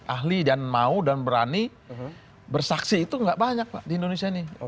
ahli dan mau dan berani bersaksi itu nggak banyak pak di indonesia ini